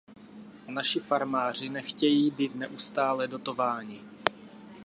Naši farmáři nechtějí být neustále dotováni.